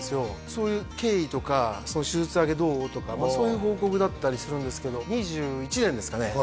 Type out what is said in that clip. そういう経緯とか手術明けどう？とかそういう報告だったりするんですけど２１年ですかね